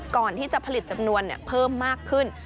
ก่อนที่จะผลิตจำนวนเพิ่มมากขึ้น